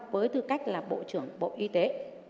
với tư cách là bộ trưởng bộ y tế